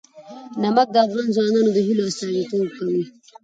نمک د افغان ځوانانو د هیلو استازیتوب کوي.